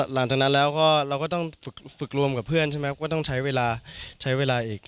หลังจากนั้นเราก็ต้องฝึกรวมกับเพื่อนใช่ไหมครับก็ต้องใช้เวลาอีก